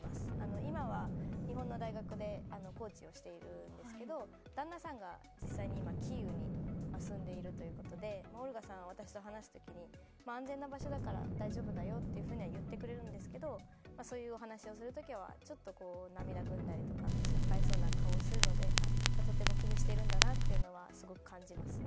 今は日本の大学でコーチをしているんですけど旦那さんが実際にキーウに住んでいるということでオルガさんは私と話す時に安全な場所だから大丈夫だよと言ってくれるんですけどそういうお話をする時はちょっと涙ぐんだりとか心配そうな顔をするので、とても気にしているんだなというのはすごく感じますね。